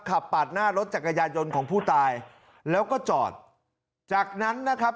ปาดหน้ารถจักรยานยนต์ของผู้ตายแล้วก็จอดจากนั้นนะครับ